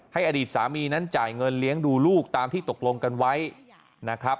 อดีตสามีนั้นจ่ายเงินเลี้ยงดูลูกตามที่ตกลงกันไว้นะครับ